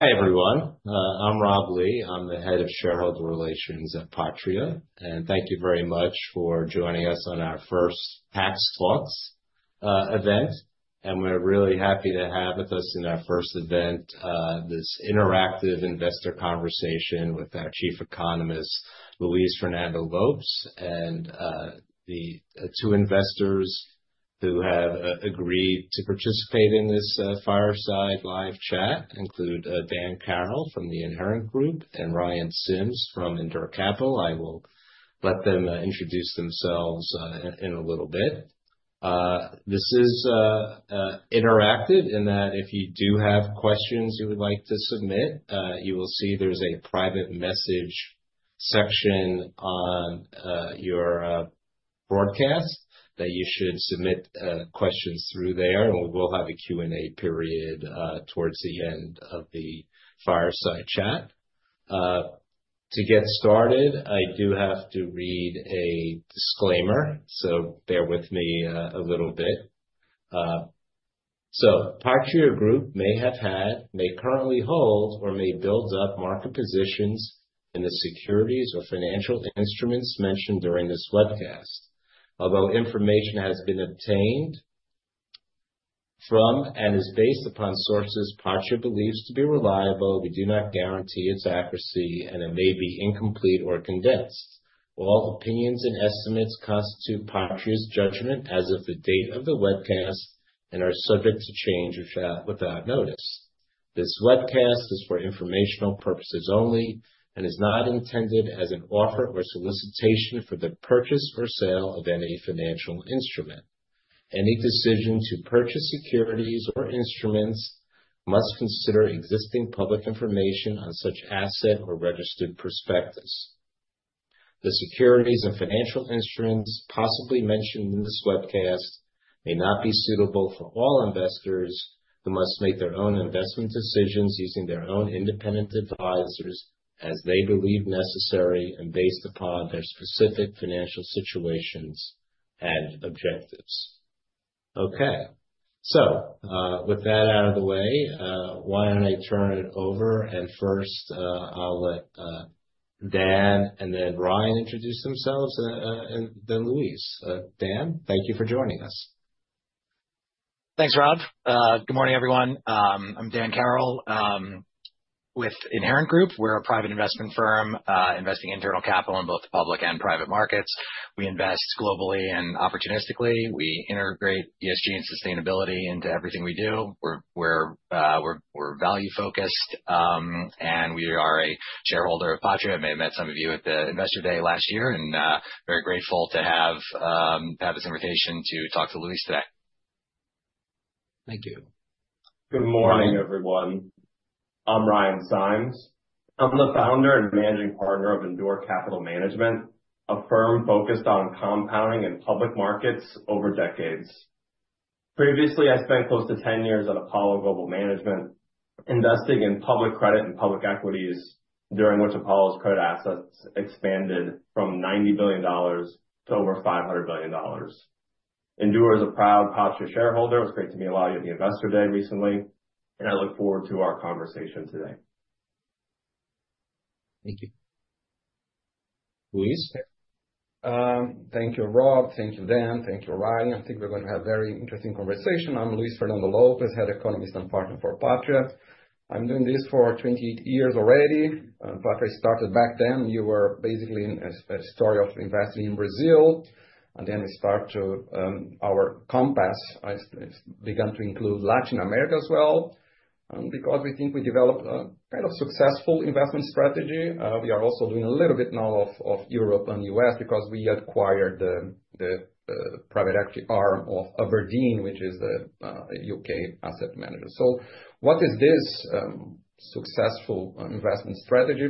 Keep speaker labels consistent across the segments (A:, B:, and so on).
A: Hi everyone. I'm Rob Lee. I'm the Head of Shareholder Relations at Patria, and thank you very much for joining us on our first PAX Talks event, and we're really happy to have with us in our first event this interactive investor conversation with our Chief Economist, Luiz Fernando Lopes, and the two investors who have agreed to participate in this fireside live chat include Dan Carroll from the Inherent Group and Ryan Simes from Endure Capital. I will let them introduce themselves in a little bit. This is interactive in that if you do have questions you would like to submit, you will see there's a private message section on your broadcast that you should submit questions through there, and we will have a Q&A period towards the end of the fireside chat. To get started, I do have to read a disclaimer, so bear with me a little bit. Patria Group may have had, may currently hold, or may build up market positions in the securities or financial instruments mentioned during this webcast. Although information has been obtained from and is based upon sources Patria believes to be reliable, we do not guarantee its accuracy, and it may be incomplete or condensed. All opinions and estimates constitute Patria's judgment as of the date of the webcast and are subject to change without notice. This webcast is for informational purposes only and is not intended as an offer or solicitation for the purchase or sale of any financial instrument. Any decision to purchase securities or instruments must consider existing public information on such asset or registered prospectus. The securities and financial instruments possibly mentioned in this webcast may not be suitable for all investors. They must make their own investment decisions using their own independent advisors as they believe necessary and based upon their specific financial situations and objectives. Okay. So with that out of the way, why don't I turn it over? And first, I'll let Dan and then Ryan introduce themselves, and then Luiz. Dan, thank you for joining us.
B: Thanks, Rob. Good morning, everyone. I'm Dan Carroll with Inherent Group. We're a private investment firm investing institutional capital in both the public and private markets. We invest globally and opportunistically. We integrate ESG and sustainability into everything we do. We're value-focused, and we are a shareholder of Patria. I may have met some of you at the Investor Day last year, and very grateful to have this invitation to talk to Luiz today.
A: Thank you.
C: Good morning, everyone. I'm Ryan Simes. I'm the founder and managing partner of Endure Capital Management, a firm focused on compounding in public markets over decades. Previously, I spent close to 10 years at Apollo Global Management investing in public credit and public equities, during which Apollo's credit assets expanded from $90 billion to over $500 billion. Endure is a proud Patria shareholder. It was great to meet a lot of you at the Investor Day recently, and I look forward to our conversation today.
A: Thank you. Luiz.
D: Thank you, Rob. Thank you, Dan. Thank you, Ryan. I think we're going to have a very interesting conversation. I'm Luiz Fernando Lopes, head economist and partner for Patria. I'm doing this for 28 years already. Patria started back then. We were basically in a story of investing in Brazil, and then we started our compass. I began to include Latin America as well, and because we think we developed a kind of successful investment strategy, we are also doing a little bit now of Europe and the U.S. because we acquired the private equity arm of Aberdeen, which is the U.K. asset manager. So what is this successful investment strategy?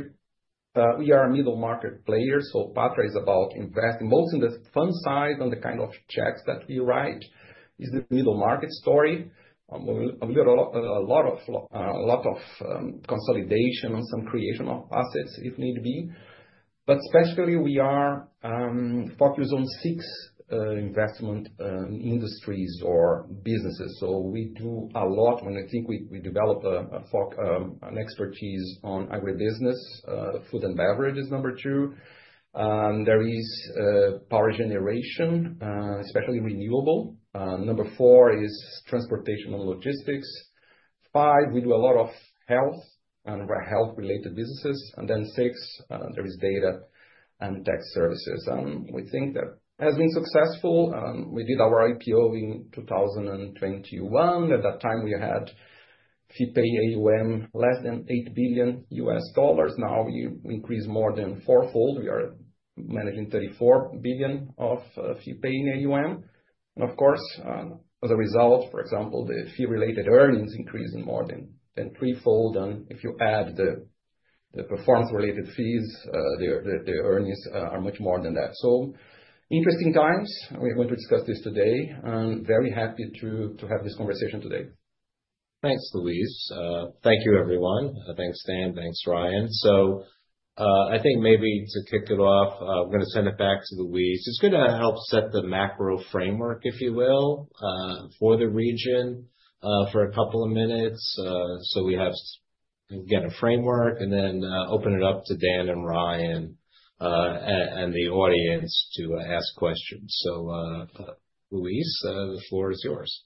D: We are a middle market player. So Patria is about investing both in the fund size and the kind of checks that we write is the middle market story. A lot of consolidation and some creation of assets if need be. But specifically, we are focused on six investment industries or businesses. So we do a lot when I think we develop an expertise on agribusiness. Food and beverage is number two. There is power generation, especially renewable. Number four is transportation and logistics. Five, we do a lot of health and health-related businesses. And then six, there is data and tech services. And we think that has been successful. We did our IPO in 2021. At that time, we had fee-paying AUM less than $8 billion. Now we increased more than fourfold. We are managing $34 billion of fee-paying AUM. And of course, as a result, for example, the fee-related earnings increased more than threefold. And if you add the performance-related fees, the earnings are much more than that. So interesting times. We're going to discuss this today. I'm very happy to have this conversation today.
A: Thanks, Luiz. Thank you, everyone. Thanks, Dan. Thanks, Ryan. I think maybe to kick it off, I'm going to send it back to Luiz. It's going to help set the macro framework, if you will, for the region for a couple of minutes. We have, again, a framework, and then open it up to Dan and Ryan and the audience to ask questions. Luiz, the floor is yours.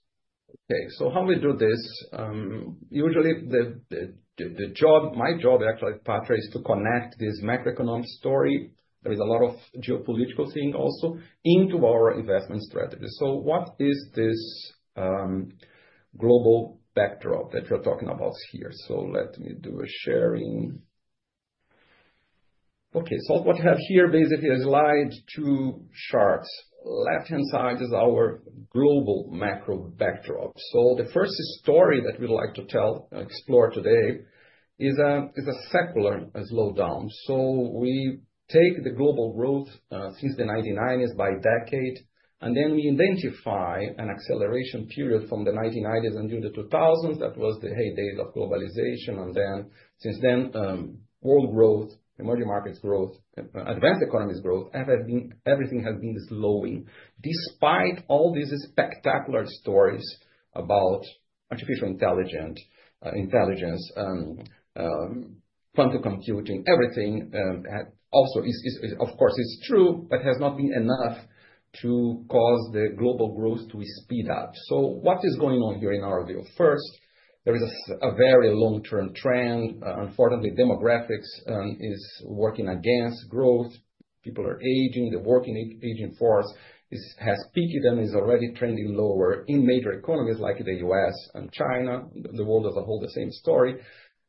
D: Okay. So how we do this, usually my job actually at Patria is to connect this macroeconomic story. There is a lot of geopolitical thing also into our investment strategy. So what is this global backdrop that you're talking about here? So let me do a sharing. Okay. So what we have here basically is slide two charts. Left-hand side is our global macro backdrop. So the first story that we'd like to tell and explore today is a secular slowdown. So we take the global growth since the 1990s by decade, and then we identify an acceleration period from the 1990s until the 2000s. That was the heyday of globalization. And then since then, world growth, emerging markets growth, advanced economies growth, everything has been slowing despite all these spectacular stories about artificial intelligence, quantum computing, everything. Also, of course, it's true, but has not been enough to cause the global growth to speed up. So what is going on here in our view? First, there is a very long-term trend. Unfortunately, demographics is working against growth. People are aging. The working-age force has peaked and is already trending lower in major economies like the U.S. and China. The world doesn't hold the same story.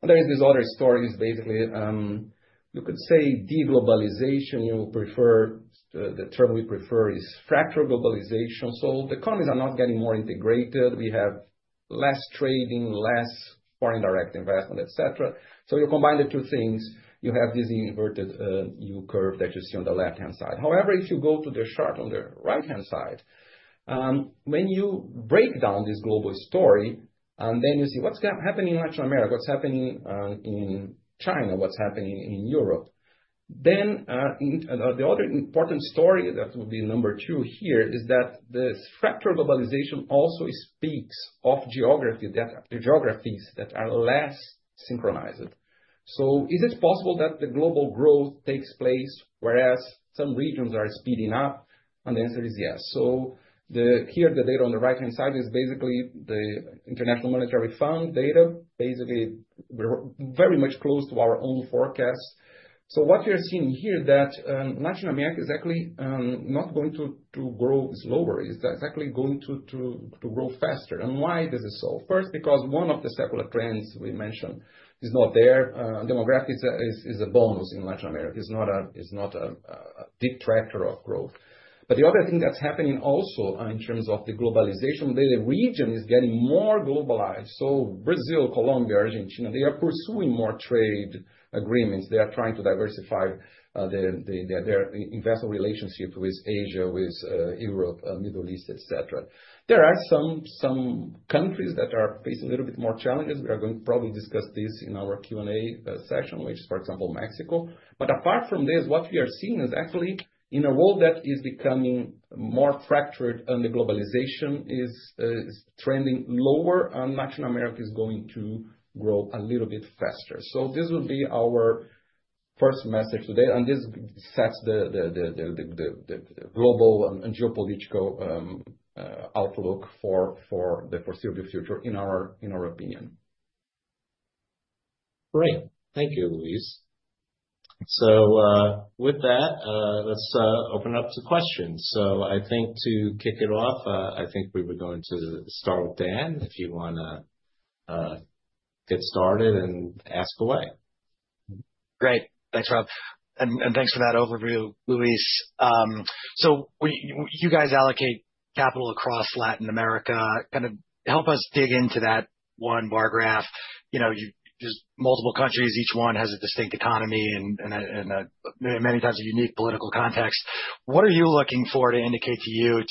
D: And there is this other story is basically you could say deglobalization. The term we prefer is fractured globalization. So the economies are not getting more integrated. We have less trading, less foreign direct investment, et cetera. So you combine the two things, you have this inverted U-curve that you see on the left-hand side. However, if you go to the chart on the right-hand side, when you break down this global story, and then you see what's happening in Latin America, what's happening in China, what's happening in Europe, then the other important story that would be number two here is that this fractured globalization also speaks of geographies that are less synchronized. So is it possible that the global growth takes place whereas some regions are speeding up? And the answer is yes. So here the data on the right-hand side is basically the International Monetary Fund data, basically very much close to our own forecast. So what we are seeing here is that Latin America is actually not going to grow slower. It's actually going to grow faster. And why is this so? First, because one of the secular trends we mentioned is not there. Demographics is a bonus in Latin America. It's not a detractor of growth. But the other thing that's happening also in terms of the globalization, the region is getting more globalized. So Brazil, Colombia, Argentina, they are pursuing more trade agreements. They are trying to diversify their investment relationship with Asia, with Europe, Middle East, et cetera. There are some countries that are facing a little bit more challenges. We are going to probably discuss this in our Q&A session, which is, for example, Mexico. But apart from this, what we are seeing is actually in a world that is becoming more fractured and the globalization is trending lower, and Latin America is going to grow a little bit faster. So this would be our first message today. And this sets the global and geopolitical outlook for the foreseeable future in our opinion.
A: Great. Thank you, Luiz. So with that, let's open up to questions. So I think to kick it off, I think we were going to start with Dan, if you want to get started and ask away.
B: Great. Thanks, Rob. And thanks for that overview, Luiz. So you guys allocate capital across Latin America. Kind of help us dig into that one bar graph. There's multiple countries. Each one has a distinct economy and many times a unique political context. What are you looking for to indicate to you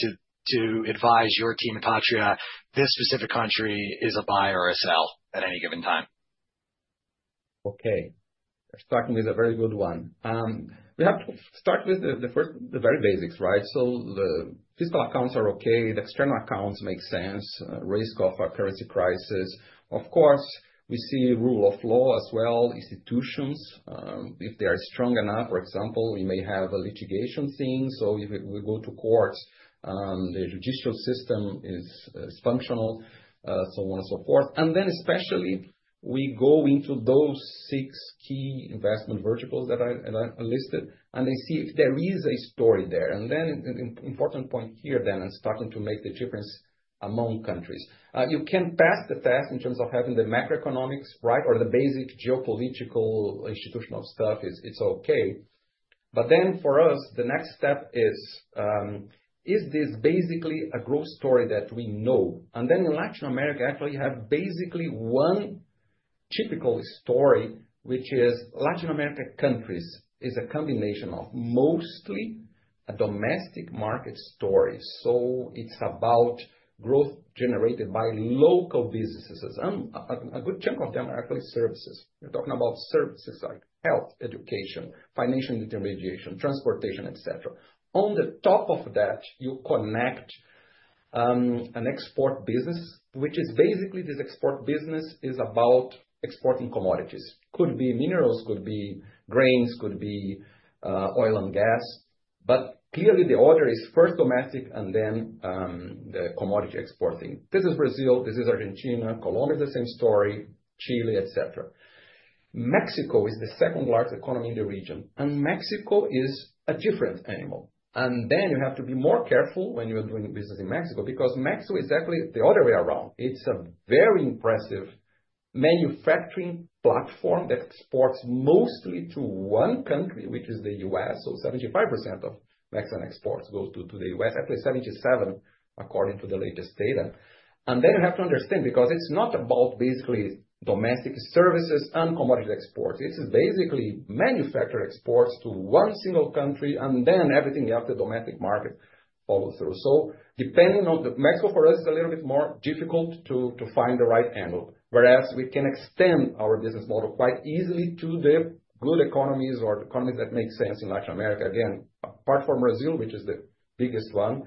B: to advise your team at Patria this specific country is a buy or a sell at any given time?
D: Okay. Starting with a very good one. We have to start with the very basics, right? So the fiscal accounts are okay. The external accounts make sense. Risk of a currency crisis. Of course, we see rule of law as well. Institutions, if they are strong enough, for example, we may have a litigation thing. So if we go to courts, the judicial system is functional, so on and so forth. And then especially we go into those six key investment verticals that are listed and they see if there is a story there. And then an important point here, Dan, and starting to make the difference among countries. You can pass the test in terms of having the macroeconomics, right, or the basic geopolitical institutional stuff. It's okay. But then for us, the next step is, is this basically a growth story that we know? And then in Latin America, actually, you have basically one typical story, which is Latin America countries is a combination of mostly a domestic market story. So it's about growth generated by local businesses. And a good chunk of them are actually services. We're talking about services like health, education, financial intermediation, transportation, et cetera. On the top of that, you connect an export business, which is basically this export business is about exporting commodities. Could be minerals, could be grains, could be oil and gas. But clearly the order is first domestic and then the commodity exporting. This is Brazil. This is Argentina. Colombia is the same story. Chile, et cetera. Mexico is the second largest economy in the region. And Mexico is a different animal. And then you have to be more careful when you are doing business in Mexico because Mexico is actually the other way around. It's a very impressive manufacturing platform that exports mostly to one country, which is the U.S. So 75% of Mexican exports go to the U.S., actually 77% according to the latest data. And then you have to understand because it's not about basically domestic services and commodity exports. It's basically manufacturer exports to one single country, and then everything else the domestic market follows through. So depending on Mexico, for us, it's a little bit more difficult to find the right angle. Whereas we can extend our business model quite easily to the good economies or economies that make sense in Latin America. Again, apart from Brazil, which is the biggest one,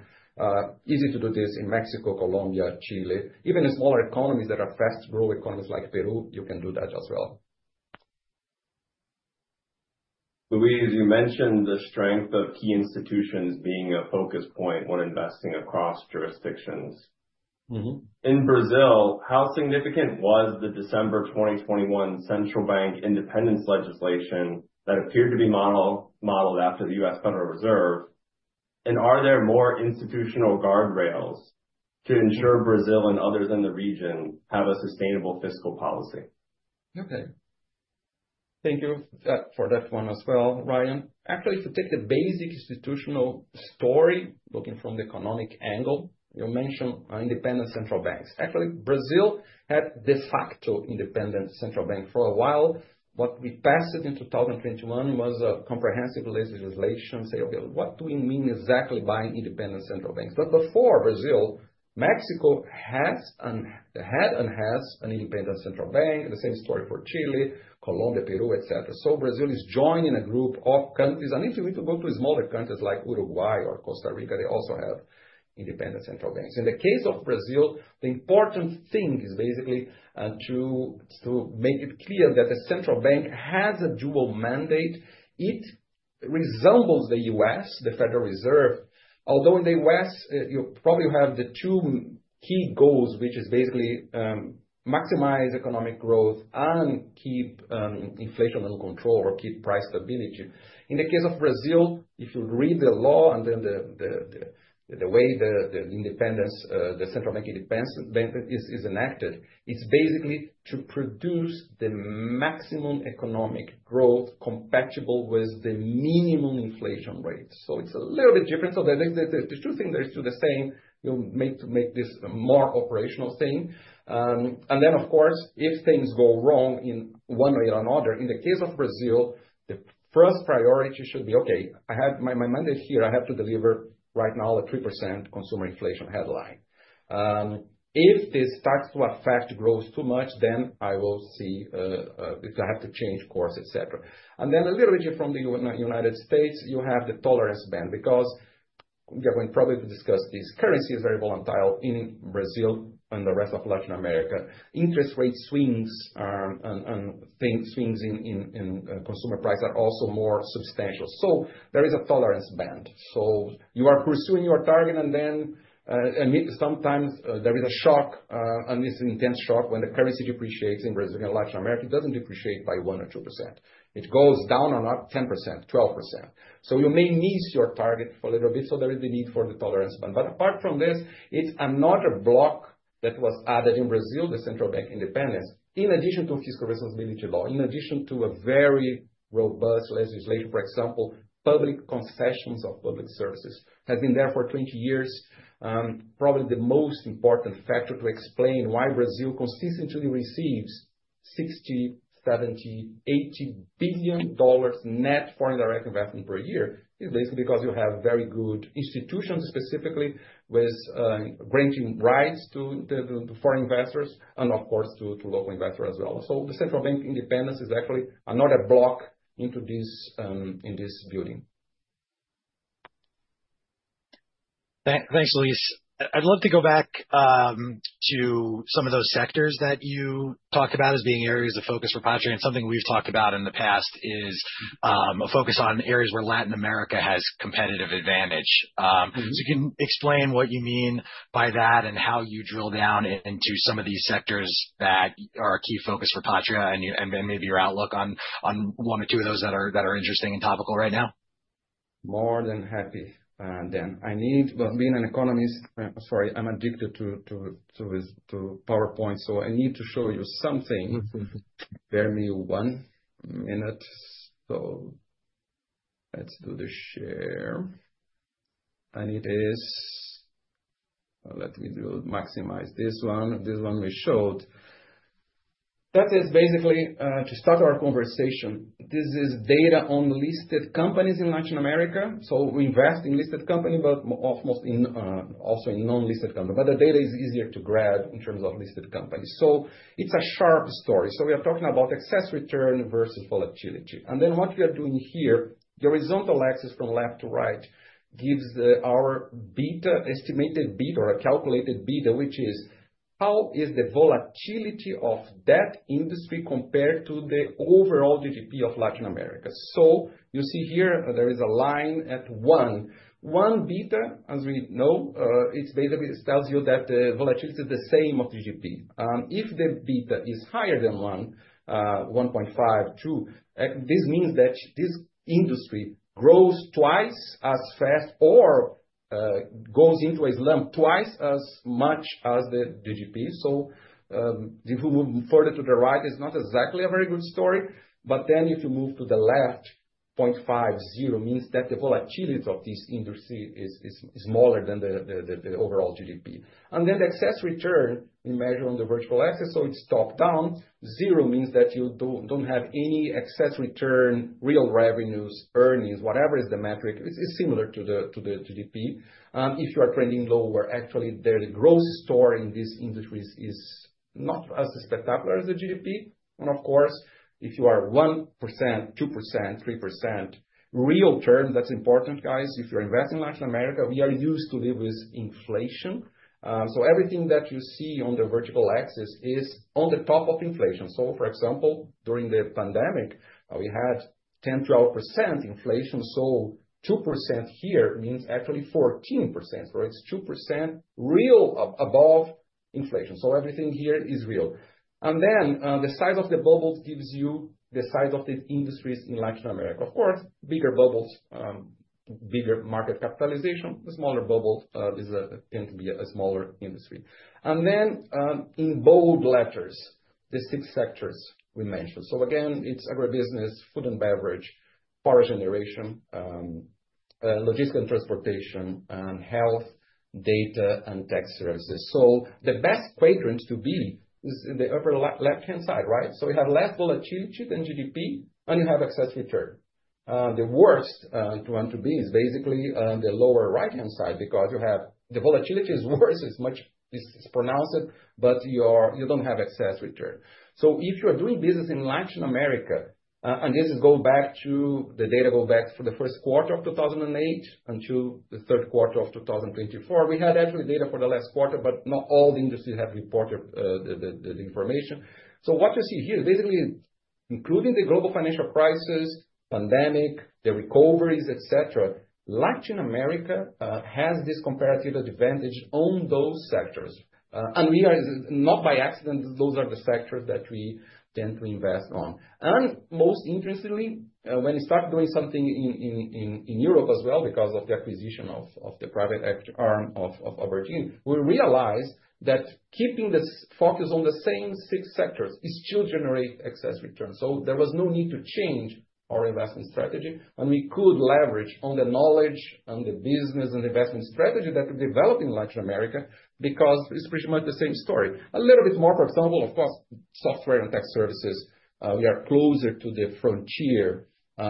D: easy to do this in Mexico, Colombia, Chile. Even in smaller economies that are fast-growing economies like Peru, you can do that as well.
C: Luiz, you mentioned the strength of key institutions being a focus point when investing across jurisdictions. In Brazil, how significant was the December 2021 central bank independence legislation that appeared to be modeled after the U.S. Federal Reserve? And are there more institutional guardrails to ensure Brazil and others in the region have a sustainable fiscal policy?
D: Okay. Thank you for that one as well, Ryan. Actually, if you take the basic institutional story looking from the economic angle, you mentioned independent central banks. Actually, Brazil had de facto independent central bank for a while. What we passed in 2021 was a comprehensive legislation saying, okay, what do we mean exactly by independent central banks? But before Brazil, Mexico had and has an independent central bank. The same story for Chile, Colombia, Peru, et cetera. So Brazil is joining a group of countries. And if you go to smaller countries like Uruguay or Costa Rica, they also have independent central banks. In the case of Brazil, the important thing is basically to make it clear that the central bank has a dual mandate. It resembles the U.S., the Federal Reserve. Although in the U.S., you probably have the two key goals, which is basically maximize economic growth and keep inflation under control or keep price stability. In the case of Brazil, if you read the law and then the way the independence, the central bank independence is enacted, it's basically to produce the maximum economic growth compatible with the minimum inflation rate, so it's a little bit different, so the two things, they're still the same. You make this more operational thing and then, of course, if things go wrong in one way or another, in the case of Brazil, the first priority should be, okay, I have my mandate here. I have to deliver right now a 3% consumer inflation headline. If this starts to affect growth too much, then I will see if I have to change course, et cetera. Then a little bit from the United States, you have the tolerance band because we are going to probably discuss this. Currency is very volatile in Brazil and the rest of Latin America. Interest rate swings and the swings in consumer price are also more substantial. There is a tolerance band. You are pursuing your target, and then sometimes there is a shock, and this is an intense shock when the currency depreciates in Brazil and Latin America. It doesn't depreciate by 1% or 2%. It goes down or not 10%, 12%. You may miss your target for a little bit. There is the need for the tolerance band. Apart from this, it's another block that was added in Brazil, the central bank independence, in addition to fiscal responsibility law, in addition to a very robust legislation, for example, public concessions of public services. Has been there for 20 years. Probably the most important factor to explain why Brazil consistently receives $60, $70, $80 billion net foreign direct investment per year is basically because you have very good institutions specifically with granting rights to foreign investors and, of course, to local investors as well. So the central bank independence is actually another block into this building.
B: Thanks, Luiz. I'd love to go back to some of those sectors that you talked about as being areas of focus for Patria. And something we've talked about in the past is a focus on areas where Latin America has competitive advantage. So you can explain what you mean by that and how you drill down into some of these sectors that are a key focus for Patria and maybe your outlook on one or two of those that are interesting and topical right now.
D: More than happy, Dan. I need, being an economist, sorry, I'm addicted to PowerPoint. I need to show you something. Bear with me one minute. Let's do the share. It is, let me maximize this one. This one we showed. That is basically to start our conversation. This is data on listed companies in Latin America. We invest in listed companies, but also in non-listed companies. The data is easier to grab in terms of listed companies. It's a sharp story. We are talking about excess return versus volatility. What we are doing here, the horizontal axis from left to right gives our estimated beta or a calculated beta, which is how the volatility of that industry compared to the overall GDP of Latin America. You see here there is a line at one. One beta, as we know, it basically tells you that the volatility is the same as GDP. If the beta is higher than one, 1.5, 2, this means that this industry grows twice as fast or goes into a slump twice as much as the GDP. So if we move further to the right, it's not exactly a very good story. But then if you move to the left, 0.5, 0 means that the volatility of this industry is smaller than the overall GDP. And then the excess return, we measure on the vertical axis. So it's top-down. Zero means that you don't have any excess return, real revenues, earnings, whatever is the metric, it's similar to the GDP. If you are trending lower, actually the growth story in these industries is not as spectacular as the GDP. And of course, if you are 1%, 2%, 3% real term, that's important, guys. If you're investing in Latin America, we are used to live with inflation. So everything that you see on the vertical axis is on the top of inflation. So for example, during the pandemic, we had 10%-12% inflation. So 2% here means actually 14%, right? It's 2% real above inflation. So everything here is real. And then the size of the bubbles gives you the size of the industries in Latin America. Of course, bigger bubbles, bigger market capitalization. The smaller bubble tends to be a smaller industry. And then in bold letters, the six sectors we mentioned. So again, it's agribusiness, food and beverage, power generation, logistics and transportation, and health, data, and tech services. So the best quadrant to be is the upper left-hand side, right? So you have less volatility than GDP, and you have excess return. The worst one to be is basically the lower right-hand side because you have the volatility is worse. It's more pronounced, but you don't have excess return. So if you are doing business in Latin America, and this is going back to the data for the first quarter of 2008 until the third quarter of 2024, we actually had data for the last quarter, but not all the industries have reported the information. So what you see here is basically including the global financial crisis, pandemic, the recoveries, et cetera, Latin America has this comparative advantage on those sectors. And we are not by accident. Those are the sectors that we tend to invest on. And most interestingly, when we started doing something in Europe as well because of the acquisition of the private arm of Aberdeen, we realized that keeping the focus on the same six sectors still generates excess return. So there was no need to change our investment strategy. And we could leverage on the knowledge and the business and the investment strategy that we developed in Latin America because it's pretty much the same story. A little bit more, for example, of course, software and tech services. We are closer to the frontier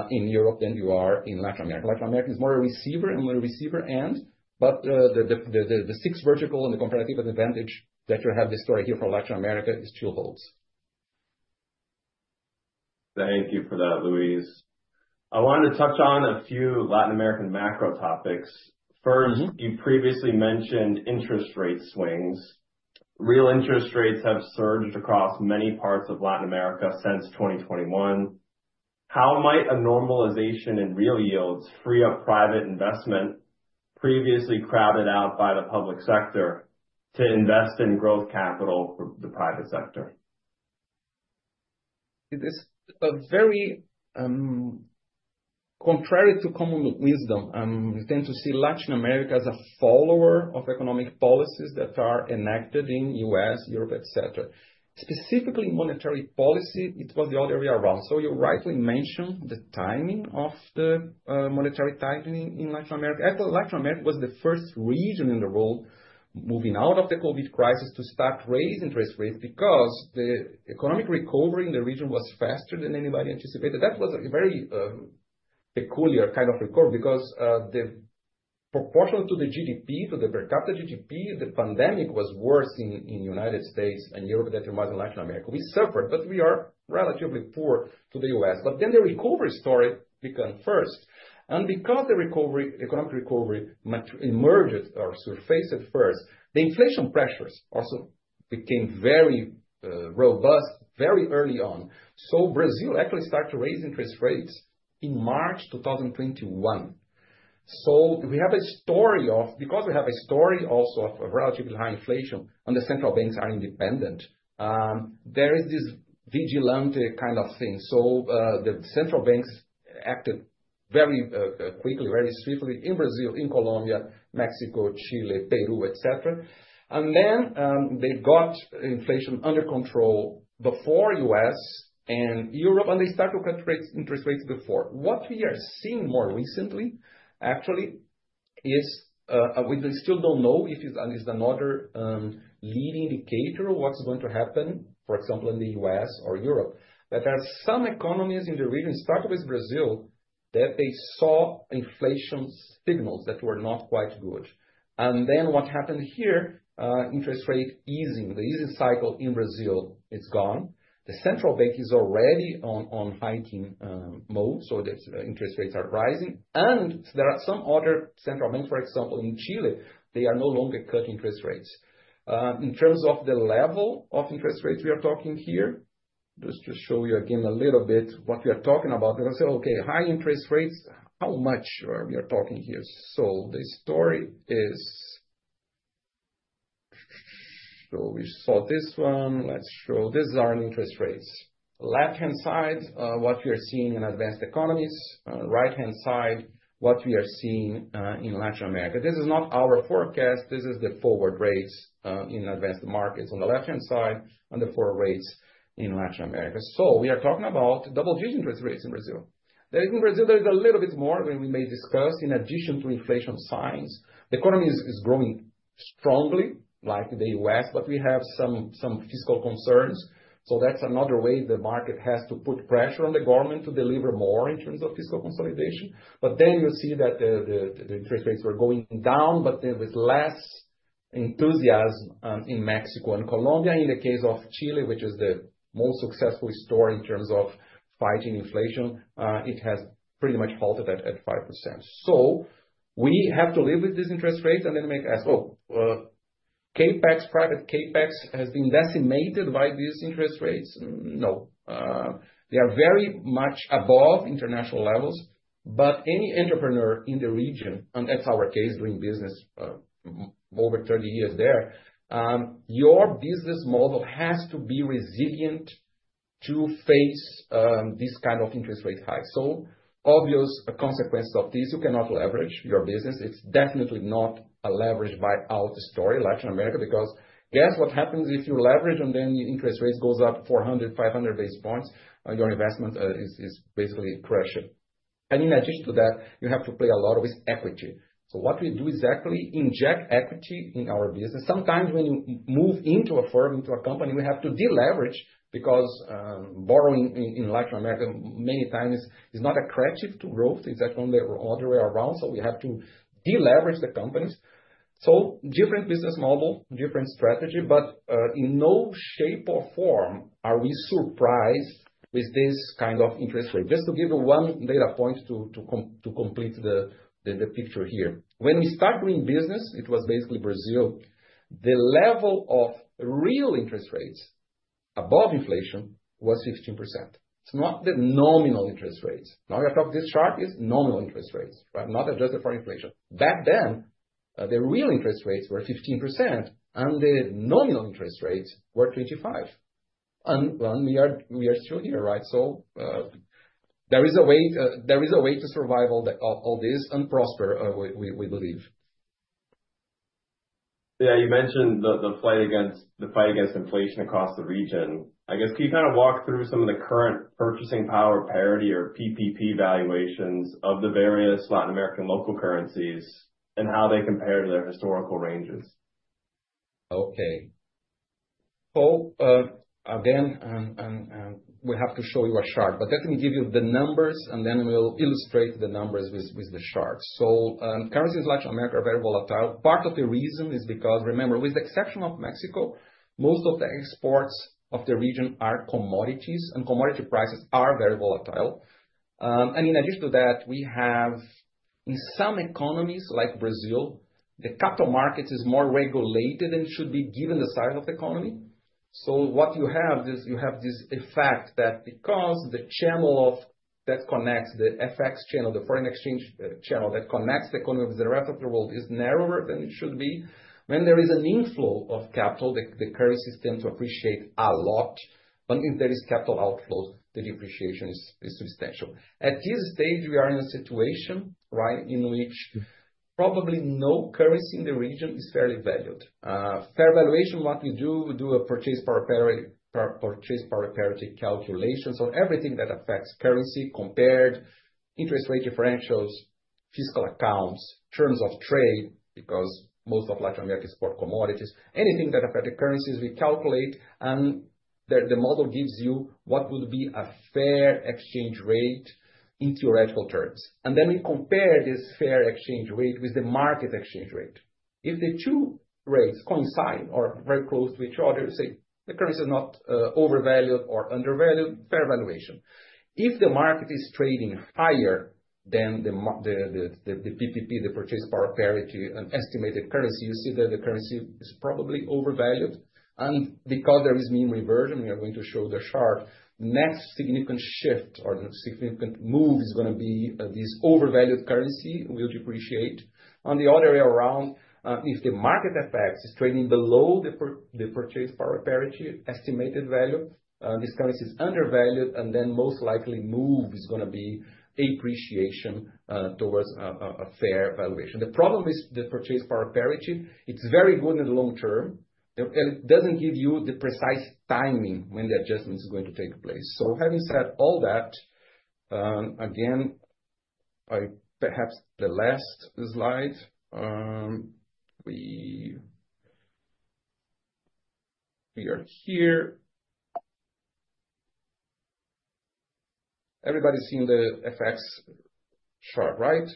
D: in Europe than you are in Latin America. Latin America is more a receiver and more a receiver end. But the six verticals and the comparative advantage that you have the story here for Latin America still holds.
C: Thank you for that, Luiz. I wanted to touch on a few Latin American macro topics. First, you previously mentioned interest rate swings. Real interest rates have surged across many parts of Latin America since 2021. How might a normalization in real yields free up private investment previously crowded out by the public sector to invest in growth capital for the private sector?
D: It is very contrary to common wisdom. We tend to see Latin America as a follower of economic policies that are enacted in the U.S., Europe, et cetera. Specifically monetary policy, it was the other way around. So you rightly mentioned the timing of the monetary tightening in Latin America. Actually, Latin America was the first region in the world moving out of the COVID crisis to start raising interest rates because the economic recovery in the region was faster than anybody anticipated. That was a very peculiar kind of recovery because the proportion to the GDP, to the per capita GDP, the pandemic was worse in the United States and Europe than it was in Latin America. We suffered, but we are relatively poor to the U.S. But then the recovery story began first. Because the economic recovery emerged or surfaced at first, the inflation pressures also became very robust very early on. Brazil actually started to raise interest rates in March 2021. We have a story of, because we have a story also of relatively high inflation and the central banks are independent, there is this vigilante kind of thing. The central banks acted very quickly, very swiftly in Brazil, in Colombia, Mexico, Chile, Peru, et cetera. They then got inflation under control before the U.S. and Europe, and they started to cut interest rates before. What we are seeing more recently, actually, is we still don't know if it's another leading indicator of what's going to happen, for example, in the U.S. or Europe, that there are some economies in the region, starting with Brazil, that they saw inflation signals that were not quite good. And then what happened here, interest rate easing, the easing cycle in Brazil, it's gone. The central bank is already on hiking mode. So the interest rates are rising. And there are some other central banks, for example, in Chile, they are no longer cutting interest rates. In terms of the level of interest rates we are talking here, let's just show you again a little bit what we are talking about. Okay, high interest rates, how much are we talking here? So the story is, so we saw this one. Let's show, these are interest rates. Left-hand side, what we are seeing in advanced economies. Right-hand side, what we are seeing in Latin America. This is not our forecast. This is the forward rates in advanced markets on the left-hand side and the forward rates in Latin America. So we are talking about double digit interest rates in Brazil. There is, in Brazil, there is a little bit more when we may discuss in addition to inflation signs. The economy is growing strongly, like the U.S., but we have some fiscal concerns. So that's another way the market has to put pressure on the government to deliver more in terms of fiscal consolidation. But then you see that the interest rates were going down, but there was less enthusiasm in Mexico and Colombia. In the case of Chile, which is the most successful story in terms of fighting inflation, it has pretty much halted at 5%. So we have to live with these interest rates and then might ask, oh, private CapEx has been decimated by these interest rates? No. They are very much above international levels. But any entrepreneur in the region, and that's our case doing business over 30 years there, your business model has to be resilient to face this kind of interest rate hike. So obvious consequences of this, you cannot leverage your business. It's definitely not a leverage buyout story in Latin America because guess what happens if you leverage and then interest rates go up 400, 500 basis points, your investment is basically crushed. And in addition to that, you have to play a lot with equity. So what we do is actually inject equity in our business. Sometimes when you move into a firm, into a company, we have to deleverage because borrowing in Latin America many times is not attractive to growth. It's actually on the other way around. So we have to deleverage the companies. So, different business model, different strategy, but in no shape or form are we surprised with this kind of interest rate. Just to give you one data point to complete the picture here. When we start doing business, it was basically Brazil. The level of real interest rates above inflation was 15%. It's not the nominal interest rates. Now we are talking this sharp rise in nominal interest rates, right? Not adjusted for inflation. Back then, the real interest rates were 15% and the nominal interest rates were 25%. And we are still here, right? So there is a way to survive all this and prosper, we believe.
C: Yeah, you mentioned the fight against inflation across the region. I guess, can you kind of walk through some of the current purchasing power parity or PPP valuations of the various Latin American local currencies and how they compare to their historical ranges?
D: Okay. So again, we have to show you a chart, but let me give you the numbers and then we'll illustrate the numbers with the chart. So currencies in Latin America are very volatile. Part of the reason is because, remember, with the exception of Mexico, most of the exports of the region are commodities and commodity prices are very volatile. And in addition to that, we have in some economies like Brazil, the capital markets are more regulated than should be given the size of the economy. So what you have is you have this effect that because the channel that connects the FX channel, the foreign exchange channel that connects the economy with the rest of the world is narrower than it should be. When there is an inflow of capital, the currency tends to appreciate a lot. But if there are capital outflows, the depreciation is substantial. At this stage, we are in a situation in which probably no currency in the region is fairly valued. Fair valuation, what we do, we do a purchasing power parity calculation. So everything that affects currency compared to interest rate differentials, fiscal accounts, terms of trade, because most of Latin America supports commodities, anything that affects the currencies, we calculate and the model gives you what would be a fair exchange rate in theoretical terms. And then we compare this fair exchange rate with the market exchange rate. If the two rates coincide or are very close to each other, you say the currency is not overvalued or undervalued, fair valuation. If the market is trading higher than the PPP, the purchasing power parity and estimated currency, you see that the currency is probably overvalued. And because there is mean reversion, we are going to show the chart. Next significant shift or significant move is going to be this overvalued currency will depreciate. On the other way around, if the market FX is trading below the purchasing power parity estimated value, this currency is undervalued and then most likely move is going to be appreciation towards a fair valuation. The problem is the purchasing power parity; it's very good in the long term. It doesn't give you the precise timing when the adjustment is going to take place. So having said all that, again, perhaps the last slide. We are here. Everybody's seeing the FX chart, right?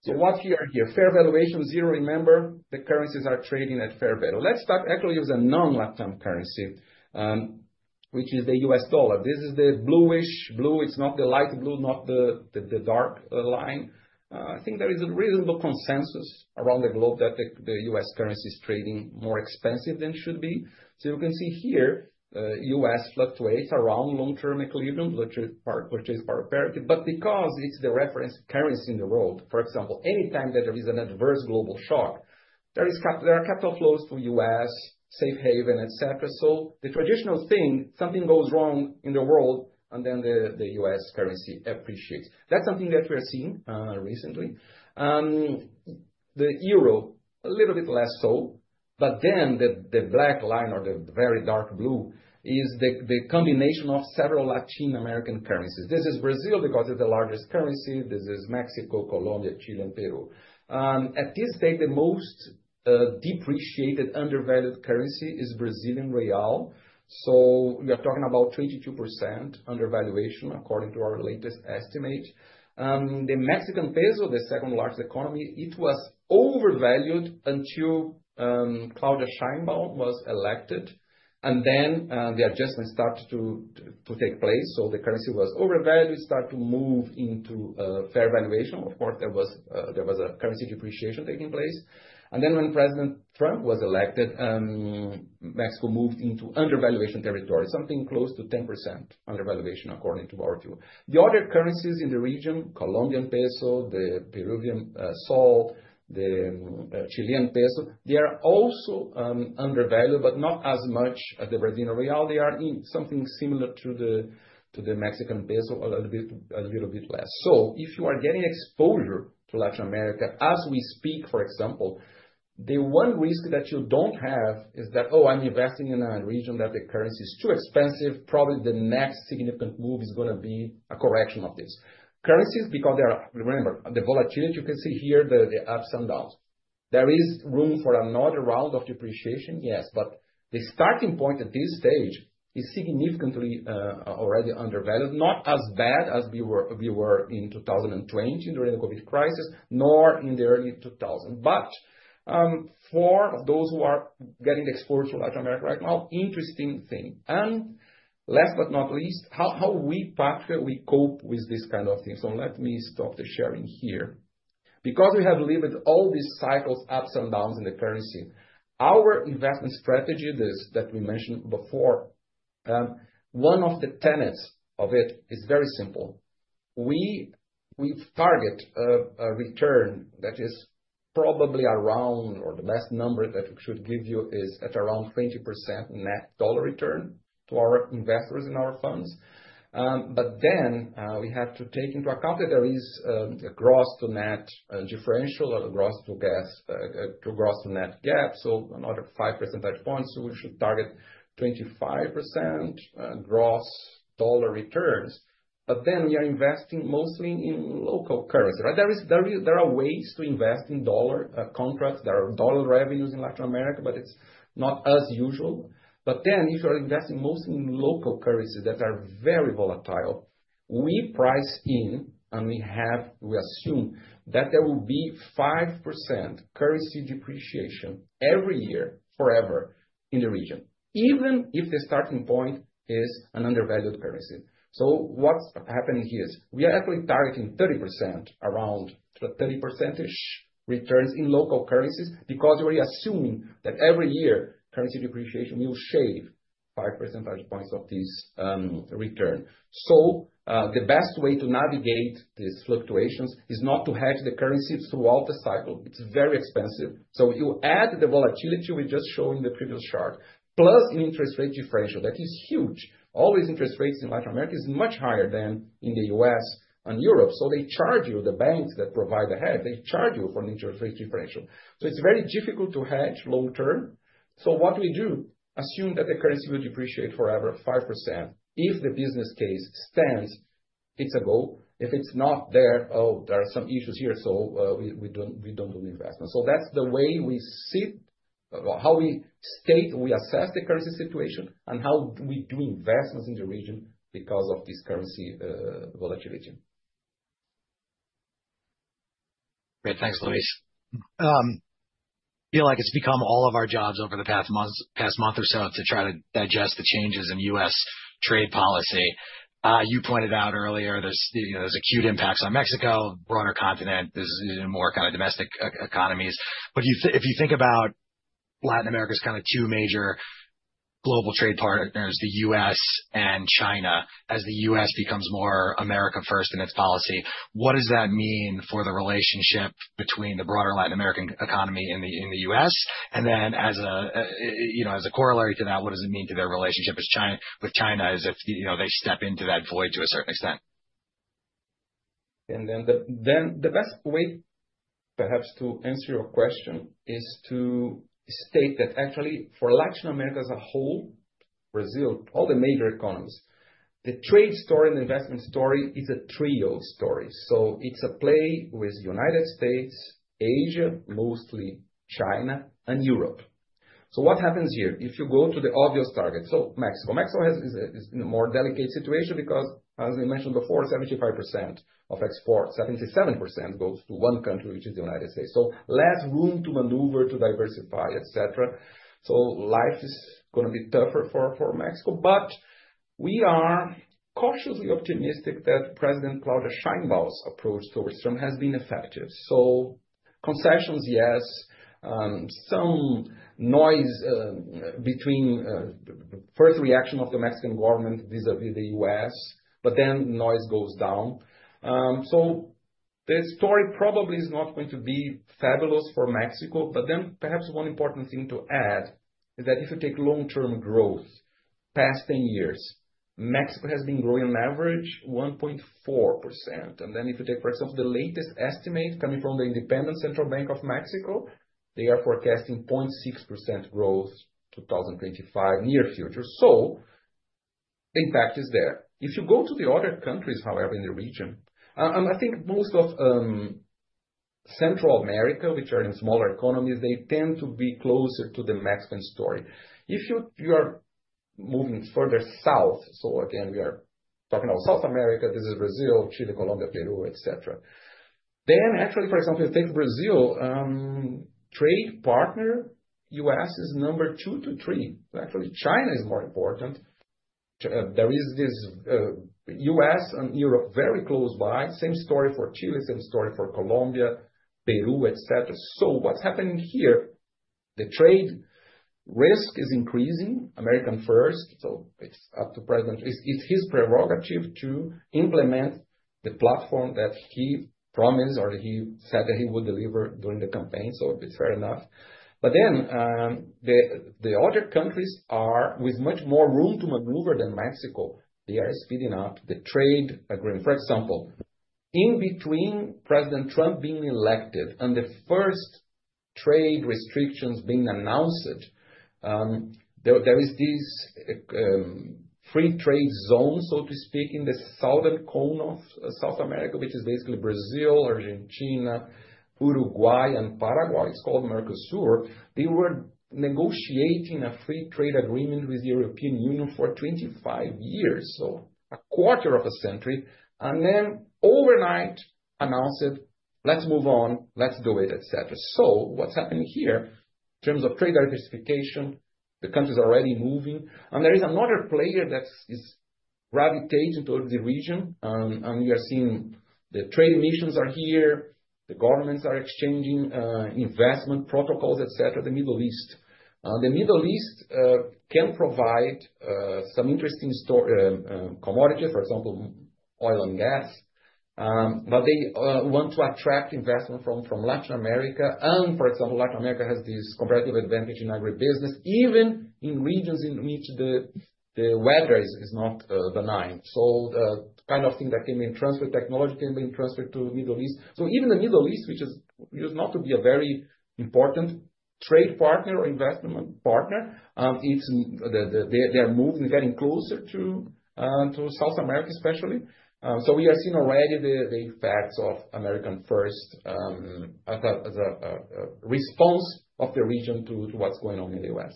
D: So what we are here, fair valuation zero, remember the currencies are trading at fair value. Let's start actually with a non-Latin currency, which is the U.S. dollar. This is the bluish blue. It's not the light blue, not the dark line. I think there is a reasonable consensus around the globe that the U.S. currency is trading more expensive than it should be. So you can see here, U.S. fluctuates around long-term equilibrium, purchasing power parity. But because it's the reference currency in the world, for example, anytime that there is an adverse global shock, there are capital flows to the U.S., safe haven, et cetera. So the traditional thing, something goes wrong in the world and then the U.S. currency appreciates. That's something that we are seeing recently. The euro, a little bit less so. But then the black line or the very dark blue is the combination of several Latin American currencies. This is Brazil because it's the largest currency. This is Mexico, Colombia, Chile, and Peru. At this stage, the most depreciated, undervalued currency is Brazilian Real. So we are talking about 22% undervaluation according to our latest estimate. The Mexican Peso, the second largest economy, it was overvalued until Claudia Sheinbaum was elected. And then the adjustment started to take place. So the currency was overvalued, started to move into fair valuation. Of course, there was a currency depreciation taking place. And then when President Trump was elected, Mexico moved into undervaluation territory, something close to 10% undervaluation according to our view. The other currencies in the region, Colombian Peso, the Peruvian Sol, the Chilean Peso, they are also undervalued, but not as much as the Brazilian Real. They are in something similar to the Mexican Peso, a little bit less. So if you are getting exposure to Latin America as we speak, for example, the one risk that you don't have is that, oh, I'm investing in a region that the currency is too expensive. Probably the next significant move is going to be a correction of these currencies because they are, remember, the volatility you can see here, the ups and downs. There is room for another round of depreciation, yes, but the starting point at this stage is significantly already undervalued, not as bad as we were in 2020 during the COVID crisis, nor in the early 2000. But for those who are getting exposure to Latin America right now, interesting thing. And last but not least, how we particularly cope with this kind of thing. So let me stop the sharing here. Because we have lived all these cycles, ups and downs in the currency, our investment strategy that we mentioned before, one of the tenets of it is very simple. We target a return that is probably around, or the best number that we should give you is at around 20% net dollar return to our investors in our funds. But then we have to take into account that there is a gross to net differential or a gross to gross to net gap, so another 5 percentage points. So we should target 25% gross dollar returns. But then we are investing mostly in local currency, right? There are ways to invest in dollar contracts. There are dollar revenues in Latin America, but it's not as usual. But then if you're investing mostly in local currencies that are very volatile, we price in and we assume that there will be 5% currency depreciation every year forever in the region, even if the starting point is an undervalued currency. So what's happening here is we are actually targeting 30%, around 30 percentage returns in local currencies because we're assuming that every year currency depreciation will shave 5 percentage points of this return. So the best way to navigate these fluctuations is not to hedge the currency throughout the cycle. It's very expensive. So you add the volatility we just showed in the previous chart, plus an interest rate differential that is huge. Always interest rates in Latin America are much higher than in the U.S. and Europe. So they charge you, the banks that provide the hedge, they charge you for an interest rate differential. So it's very difficult to hedge long term. So what do we do? Assume that the currency will depreciate forever 5% if the business case stands, it's a go. If it's not there, oh, there are some issues here, so we don't do the investment. That's the way we see how we state and we assess the currency situation and how we do investments in the region because of this currency volatility.
B: Great. Thanks, Luiz. I feel like it's become all of our jobs over the past month or so to try to digest the changes in U.S. trade policy. You pointed out earlier there's acute impacts on Mexico, broader continent, more kind of domestic economies. But if you think about Latin America's kind of two major global trade partners, the U.S. and China, as the U.S. becomes more America First in its policy, what does that mean for the relationship between the broader Latin American economy and the U.S.? And then as a corollary to that, what does it mean to their relationship with China as if they step into that void to a certain extent?
D: The best way perhaps to answer your question is to state that actually for Latin America as a whole, Brazil, all the major economies, the trade story and the investment story is a trio story. It's a play with the United States, Asia, mostly China, and Europe. What happens here? If you go to the obvious target, Mexico is in a more delicate situation because, as I mentioned before, 75% of exports, 77% goes to one country, which is the United States. Less room to maneuver, to diversify, et cetera. Life is going to be tougher for Mexico. We are cautiously optimistic that President Claudia Sheinbaum's approach towards Trump has been effective. Concessions, yes, some noise between first reaction of the Mexican government vis-à-vis the U.S., but then noise goes down. So the story probably is not going to be fabulous for Mexico. But then perhaps one important thing to add is that if you take long-term growth, past 10 years, Mexico has been growing on average 1.4%. And then if you take, for example, the latest estimate coming from the Independent Central Bank of Mexico, they are forecasting 0.6% growth 2025 near future. So the impact is there. If you go to the other countries, however, in the region, I think most of Central America, which are in smaller economies, they tend to be closer to the Mexican story. If you are moving further south, so again, we are talking about South America, this is Brazil, Chile, Colombia, Peru, et cetera. Then actually, for example, if you take Brazil, trade partner U.S. is number two to three. Actually, China is more important. There is this U.S. and Europe very close by. Same story for Chile, same story for Colombia, Peru, et cetera. So what's happening here? The trade risk is increasing. America first. So it's up to President; it's his prerogative to implement the platform that he promised or he said that he would deliver during the campaign. So it's fair enough. But then the other countries are with much more room to maneuver than Mexico. They are speeding up the trade agreement. For example, in between President Trump being elected and the first trade restrictions being announced, there is this free trade zone, so to speak, in the Southern Cone of South America, which is basically Brazil, Argentina, Uruguay, and Paraguay. It's called Mercosur. They were negotiating a free trade agreement with the European Union for 25 years, so a quarter of a century. And then overnight announced, "let's move on, let's do it," et cetera. So what's happening here in terms of trade diversification, the country is already moving. And there is another player that is gravitating towards the region. And you are seeing the trade missions are here. The governments are exchanging investment protocols, et cetera, the Middle East. The Middle East can provide some interesting commodities, for example, oil and gas. But they want to attract investment from Latin America. And for example, Latin America has this comparative advantage in agribusiness, even in regions in which the weather is not benign. So the kind of thing that came in, transfer technology came in, transferred to the Middle East. So even the Middle East, which is used not to be a very important trade partner or investment partner, their move is getting closer to South America, especially. So we are seeing already the effects of America First as a response of the region to what's going on in the U.S.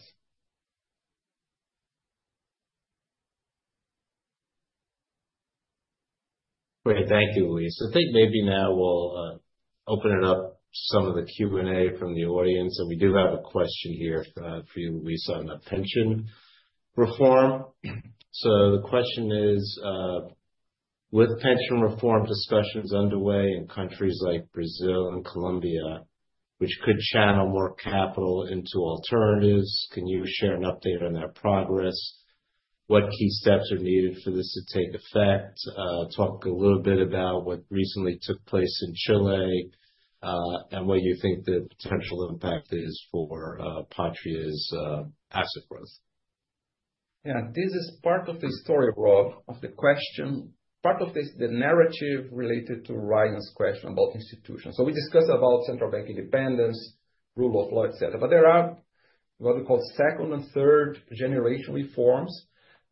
A: Great. Thank you, Luiz. I think maybe now we'll open it up to some of the Q&A from the audience, and we do have a question here for you, Luiz, on pension reform, so the question is, with pension reform discussions underway in countries like Brazil and Colombia, which could channel more capital into alternatives, can you share an update on that progress? What key steps are needed for this to take effect? Talk a little bit about what recently took place in Chile and what you think the potential impact is for Patria's asset growth.
D: Yeah, this is part of the story, Rob, of the question. Part of the narrative related to Ryan's question about institutions. So we discussed about central bank independence, rule of law, et cetera. But there are what we call second and third generation reforms.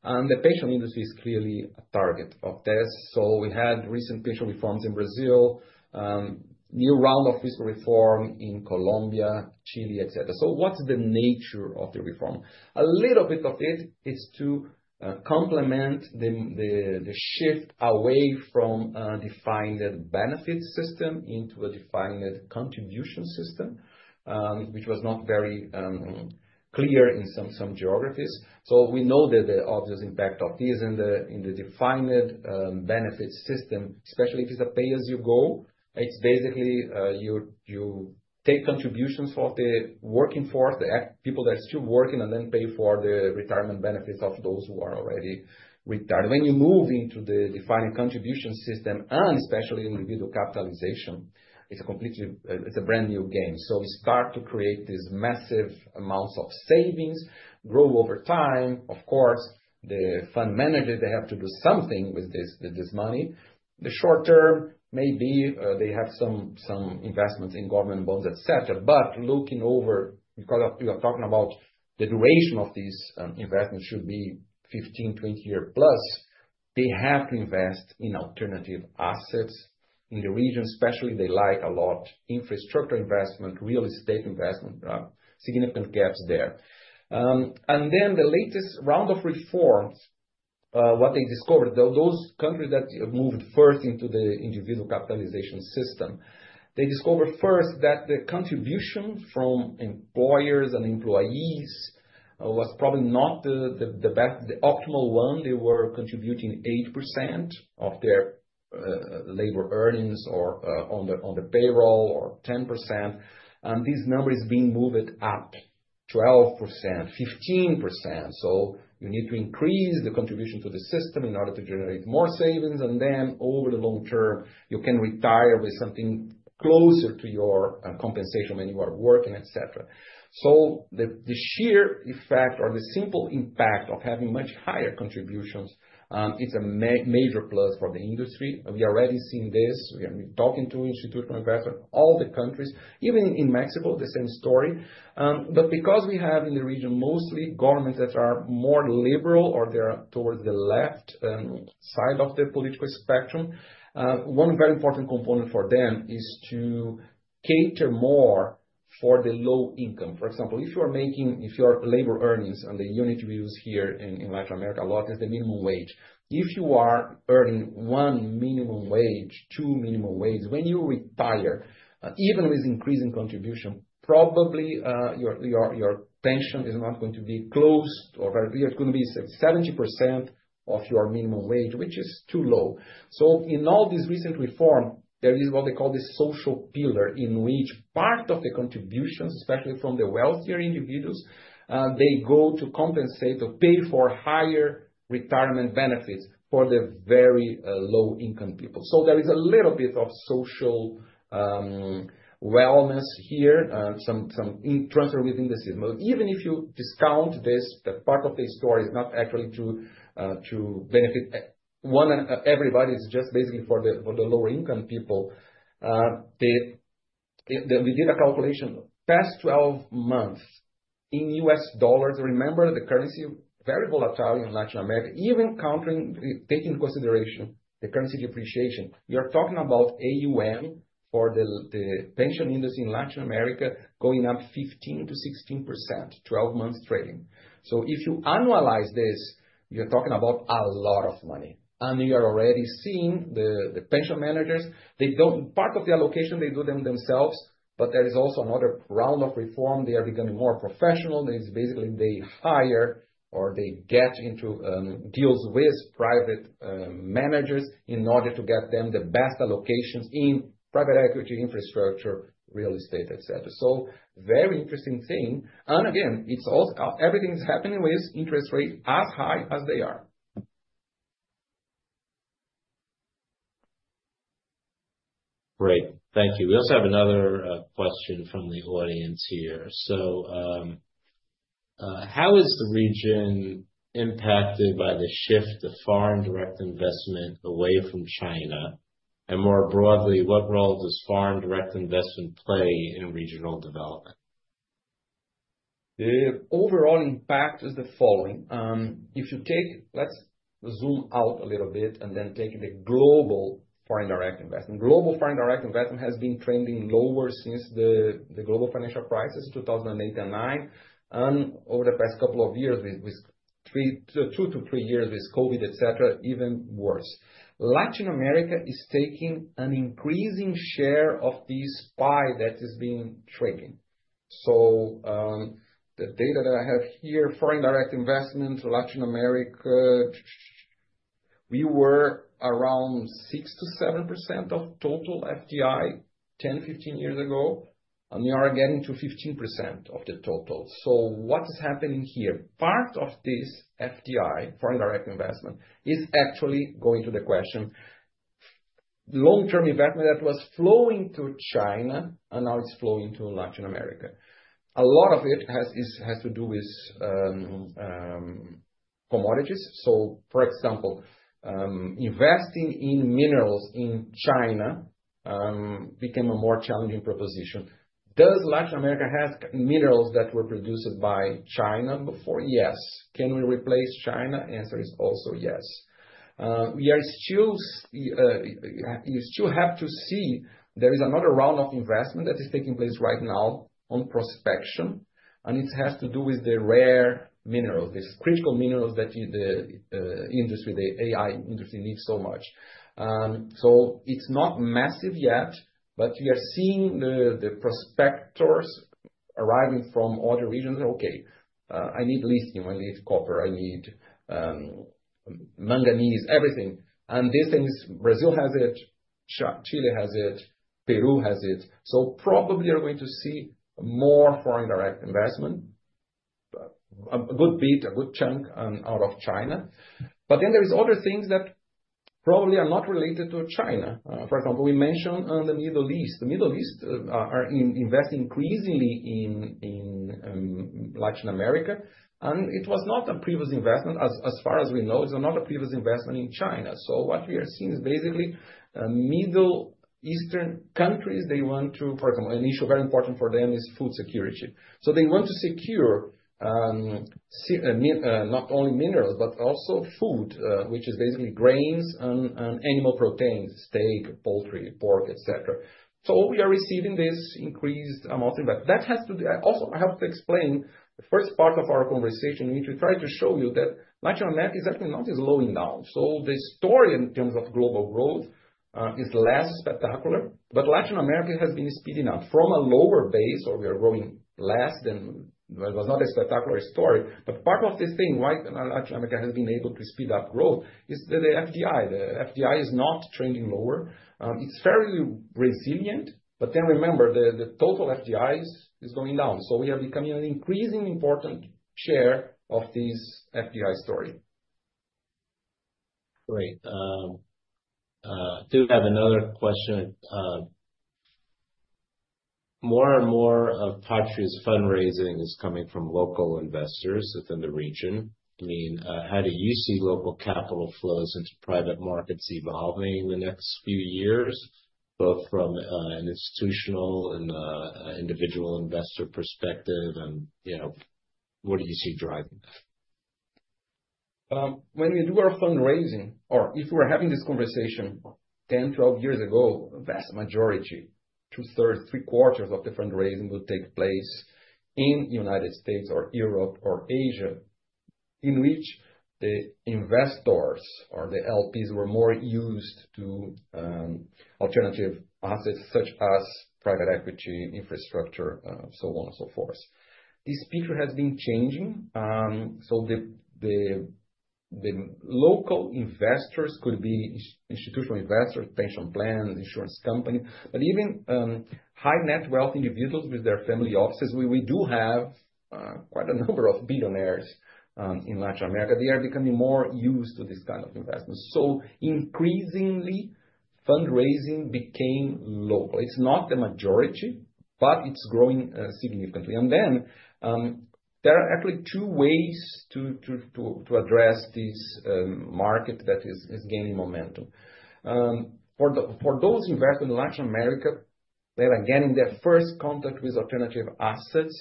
D: And the pension industry is clearly a target of this. So we had recent pension reforms in Brazil, new round of fiscal reform in Colombia, Chile, et cetera. So what's the nature of the reform? A little bit of it is to complement the shift away from a defined benefit system into a defined contribution system, which was not very clear in some geographies. So we know that the obvious impact of this in the defined benefit system, especially if it's a pay-as-you-go, it's basically you take contributions for the working force, the people that are still working, and then pay for the retirement benefits of those who are already retired. When you move into the defined contribution system, and especially individual capitalization, it's a brand new game. So we start to create these massive amounts of savings, grow over time. Of course, the fund managers, they have to do something with this money. The short term, maybe they have some investments in government bonds, et cetera. But looking over, because you are talking about the duration of these investments should be 15-20 years plus, they have to invest in alternative assets in the region, especially they like a lot infrastructure investment, real estate investment, significant gaps there. And then the latest round of reforms, what they discovered, those countries that moved first into the individual capitalization system, they discovered first that the contribution from employers and employees was probably not the best, the optimal one. They were contributing 8% of their labor earnings or on the payroll or 10%. And this number is being moved at 12%-15%. So you need to increase the contribution to the system in order to generate more savings. And then over the long term, you can retire with something closer to your compensation when you are working, et cetera. So the sheer effect or the simple impact of having much higher contributions, it is a major plus for the industry. We are already seeing this. We are talking to institutional investors, all the countries, even in Mexico, the same story. Because we have in the region mostly governments that are more liberal or they're towards the left side of the political spectrum, one very important component for them is to cater more for the low-income. For example, if your labor earnings and the unit we use here in Latin America a lot is the minimum wage. If you are earning one minimum wage, two minimum wages, when you retire, even with increasing contribution, probably your pension is not going to be close or very clear. It's going to be 70% of your minimum wage, which is too low, so in all this recent reform, there is what they call the social pillar in which part of the contributions, especially from the wealthier individuals, they go to compensate or pay for higher retirement benefits for the very low-income people. There is a little bit of social wellness here, some transfer within the system. Even if you discount this, that part of the story is not actually to benefit everybody, it's just basically for the lower income people. We did a calculation. Past 12 months in U.S. dollars, remember the currency is very volatile in Latin America, even taking into consideration the currency depreciation. You are talking about AUM for the pension industry in Latin America going up 15%-16%, 12 months trading. If you analyze this, you're talking about a lot of money. You are already seeing the pension managers, they don't part of the allocation, they do them themselves, but there is also another round of reform. They are becoming more professional. It's basically they hire or they get into deals with private managers in order to get them the best allocations in private equity, infrastructure, real estate, et cetera, so very interesting thing, and again, everything is happening with interest rates as high as they are.
A: Great. Thank you. We also have another question from the audience here. So how is the region impacted by the shift to foreign direct investment away from China? And more broadly, what role does foreign direct investment play in regional development?
D: The overall impact is the following. If you take, let's zoom out a little bit and then take the global foreign direct investment. Global foreign direct investment has been trending lower since the global financial crisis in 2008 and 2009. And over the past couple of years, with two to three years with COVID, et cetera, even worse. Latin America is taking an increasing share of this pie that is being shaken. So the data that I have here, foreign direct investment, Latin America, we were around 6% to 7% of total FDI 10, 15 years ago. And we are getting to 15% of the total. So what is happening here? Part of this FDI, foreign direct investment, is actually going to the question of long-term investment that was flowing to China and now it's flowing to Latin America. A lot of it has to do with commodities. So for example, investing in minerals in China became a more challenging proposition. Does Latin America have minerals that were produced by China before? Yes. Can we replace China? The answer is also yes. You still have to see there is another round of investment that is taking place right now on prospection. And it has to do with the rare minerals, these critical minerals that the industry, the AI industry, needs so much. So it's not massive yet, but we are seeing the prospectors arriving from other regions. Okay, I need lithium, I need copper, I need manganese, everything. And this thing is Brazil has it, Chile has it, Peru has it. So probably you're going to see more foreign direct investment, a good bit, a good chunk out of China. But then there are other things that probably are not related to China. For example, we mentioned the Middle East. The Middle East are investing increasingly in Latin America. And it was not a previous investment. As far as we know, it's not a previous investment in China. So what we are seeing is basically Middle Eastern countries, they want to, for example, an issue very important for them is food security. So they want to secure not only minerals, but also food, which is basically grains and animal proteins, steak, poultry, pork, et cetera. So we are receiving this increased amount of investment. That has to also help to explain the first part of our conversation, which we tried to show you that Latin America is actually not slowing down. So the story in terms of global growth is less spectacular, but Latin America has been speeding up from a lower base, or we are growing less than it was. Not a spectacular story. But part of this thing why Latin America has been able to speed up growth is the FDI. The FDI is not trending lower. It's fairly resilient. But then remember, the total FDI is going down. So we are becoming an increasingly important share of this FDI story.
A: Great. I do have another question. More and more of Patria's fundraising is coming from local investors within the region. I mean, how do you see local capital flows into private markets evolving in the next few years, both from an institutional and individual investor perspective? And what do you see driving that?
D: When we do our fundraising, or if we're having this conversation 10, 12 years ago, the vast majority, two-thirds, three-quarters of the fundraising would take place in the United States or Europe or Asia, in which the investors or the LPs were more used to alternative assets such as private equity, infrastructure, so on and so forth. This picture has been changing. So the local investors could be institutional investors, pension plans, insurance companies, but even high-net-worth individuals with their family offices. We do have quite a number of billionaires in Latin America. They are becoming more used to this kind of investment. So increasingly, fundraising became local. It's not the majority, but it's growing significantly. And then there are actually two ways to address this market that is gaining momentum. For those investing in Latin America, they are getting their first contact with alternative assets.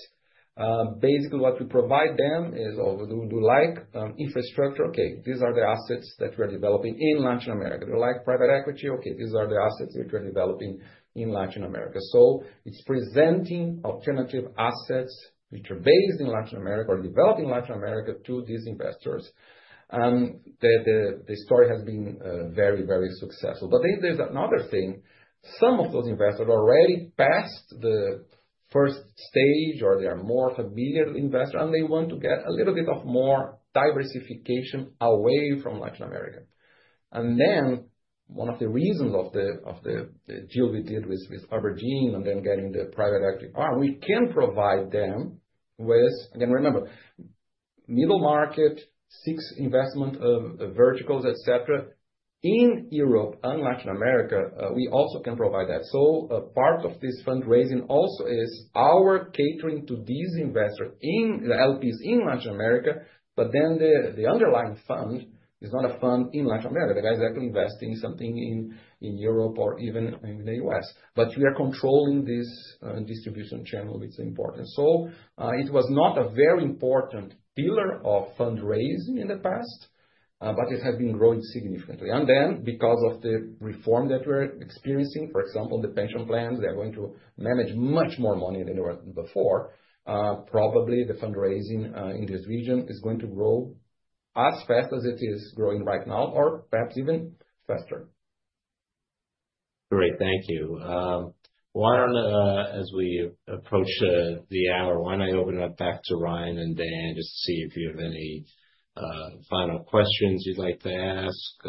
D: Basically, what we provide them is, do you like infrastructure? Okay, these are the assets that we are developing in Latin America. Do you like private equity? Okay, these are the assets which we are developing in Latin America. So it's presenting alternative assets which are based in Latin America or developed in Latin America to these investors. And the story has been very, very successful. But then there's another thing. Some of those investors are already past the first stage or they are more familiar investors, and they want to get a little bit of more diversification away from Latin America. And then one of the reasons of the deal we did with Aberdeen and then getting the private equity, we can provide them with, again, remember, middle market, six investment verticals, et cetera. In Europe and Latin America, we also can provide that. So part of this fundraising also is our catering to these investors, the LPs in Latin America. But then the underlying fund is not a fund in Latin America. The guys actually investing something in Europe or even in the US. But we are controlling this distribution channel, which is important. So it was not a very important pillar of fundraising in the past, but it has been growing significantly. And then because of the reform that we're experiencing, for example, the pension plans, they are going to manage much more money than they were before. Probably the fundraising in this region is going to grow as fast as it is growing right now or perhaps even faster.
A: Great. Thank you. As we approach the hour, why don't I open it up back to Ryan and Dan just to see if you have any final questions you'd like to ask?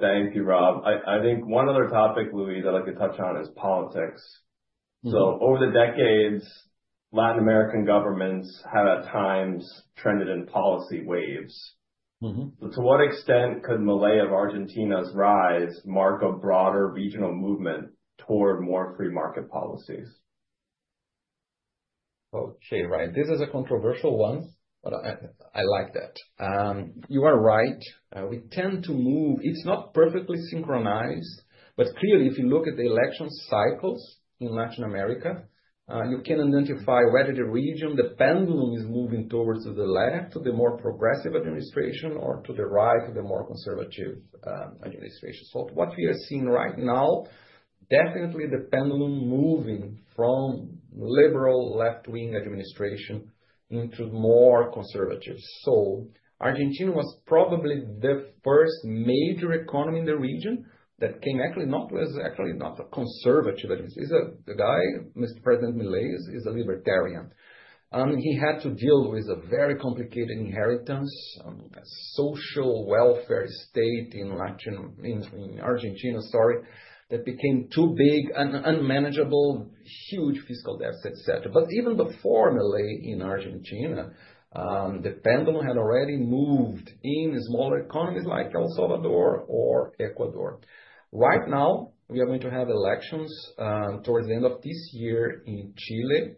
C: Thank you, Rob. I think one other topic, Luiz, that I could touch on is politics, so over the decades, Latin American governments have at times trended in policy waves, so to what extent could Milei of Argentina's rise mark a broader regional movement toward more free market policies?
D: Okay, Ryan, this is a controversial one, but I like that. You are right. We tend to move. It's not perfectly synchronized, but clearly, if you look at the election cycles in Latin America, you can identify whether the region, the pendulum is moving towards the left, the more progressive administration, or to the right, the more conservative administration. So what we are seeing right now, definitely the pendulum moving from liberal left-wing administration into more conservative. So Argentina was probably the first major economy in the region that came actually not to a conservative administration. The guy, Mr. President Milei, is a libertarian. And he had to deal with a very complicated inheritance, a social welfare state in Argentina, sorry, that became too big, unmanageable, huge fiscal debts, et cetera. But even before Milei in Argentina, the pendulum had already moved in smaller economies like El Salvador or Ecuador. Right now, we are going to have elections towards the end of this year in Chile.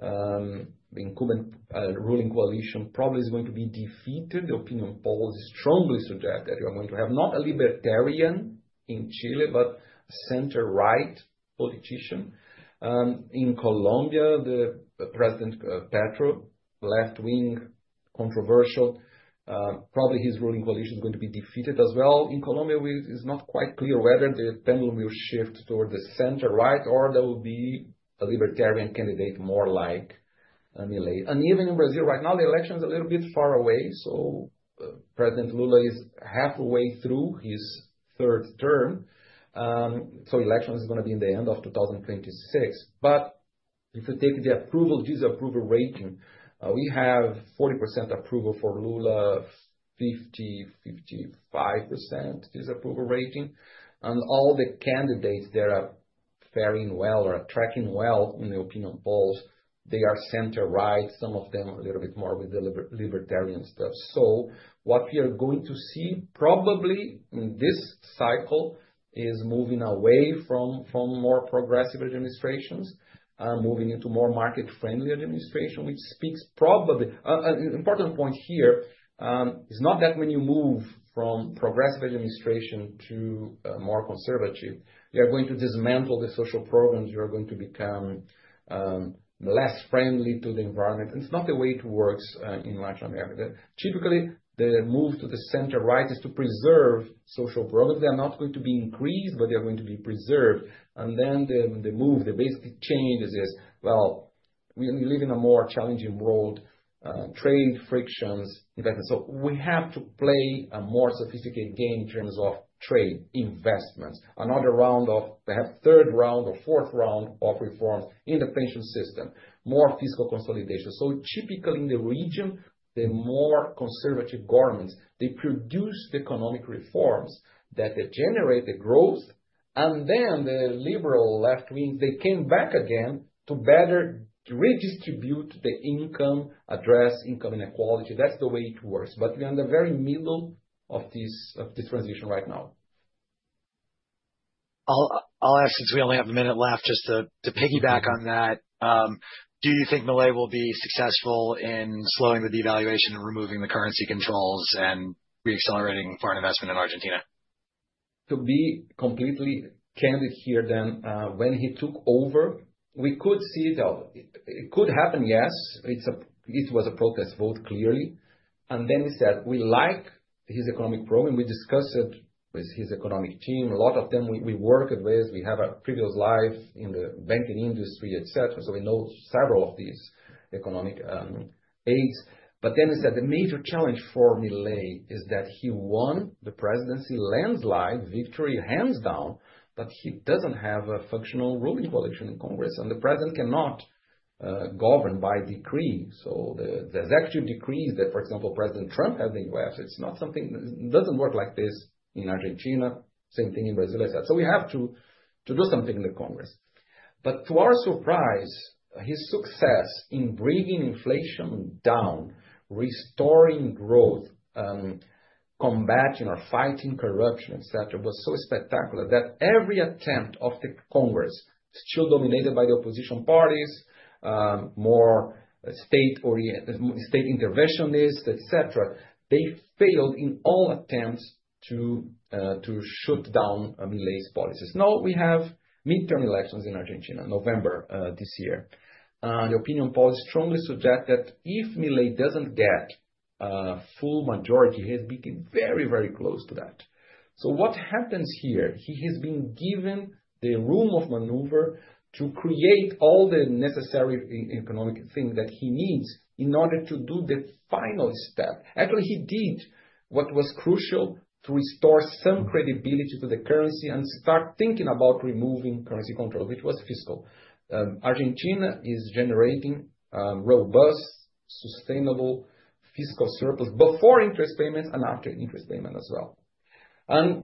D: The incumbent ruling coalition probably is going to be defeated. The opinion polls strongly suggest that you are going to have not a libertarian in Chile, but a center-right politician. In Colombia, the President Petro, left-wing, controversial, probably his ruling coalition is going to be defeated as well. In Colombia, it is not quite clear whether the pendulum will shift toward the center-right or there will be a libertarian candidate more like Milei. And even in Brazil right now, the election is a little bit far away. So President Lula is halfway through his third term. So election is going to be in the end of 2026. But if you take the approval, disapproval rating, we have 40% approval for Lula, 50%-55% disapproval rating. All the candidates that are faring well or are tracking well in the opinion polls are center-right. Some of them are a little bit more with the libertarian stuff. What we are going to see probably in this cycle is moving away from more progressive administrations and moving into more market-friendly administrations. This speaks to an important point here. It is not that when you move from progressive administrations to more conservative ones, you are going to dismantle the social programs or become less friendly to the environment. That is not the way it works in Latin America. Typically, the move to the center-right is to preserve social programs. They are not going to be increased, but they are going to be preserved. The basic changes are that we live in a more challenging world with trade frictions and investments. So we have to play a more sophisticated game in terms of trade investments, another round of perhaps third round or fourth round of reforms in the pension system, more fiscal consolidation. So typically in the region, the more conservative governments, they produce the economic reforms that generate the growth. And then the liberal left wings, they came back again to better redistribute the income, address income inequality. That's the way it works. But we are in the very middle of this transition right now.
B: I'll ask since we only have a minute left just to piggyback on that. Do you think Milei will be successful in slowing the devaluation and removing the currency controls and reaccelerating foreign investment in Argentina?
D: To be completely candid here then, when he took over, we could see it. It could happen, yes. It was a protest vote, clearly. And then he said, we like his economic program. We discussed it with his economic team. A lot of them we work with. We have a previous life in the banking industry, et cetera. So we know several of these economic aides. But then he said the major challenge for Milei is that he won the presidency landslide, victory hands down, but he doesn't have a functional ruling coalition in Congress. And the president cannot govern by decree. So the executive decrees that, for example, President Trump has in the U.S., it's not something that doesn't work like this in Argentina. Same thing in Brazil, I said. So we have to do something in the Congress. But to our surprise, his success in bringing inflation down, restoring growth, combating or fighting corruption, et cetera, was so spectacular that every attempt of the Congress, still dominated by the opposition parties, more state interventionists, et cetera, they failed in all attempts to shoot down Milei's policies. Now we have midterm elections in Argentina, November this year. And the opinion polls strongly suggest that if Milei doesn't get a full majority, he has been very, very close to that. So what happens here? He has been given the room of maneuver to create all the necessary economic things that he needs in order to do the final step. Actually, he did what was crucial to restore some credibility to the currency and start thinking about removing currency controls, which was fiscal. Argentina is generating robust, sustainable fiscal surplus before interest payments and after interest payments as well.